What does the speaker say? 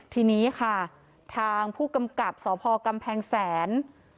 ทีนี้ค่ะทางผู้กำกับสพกำแพงแสน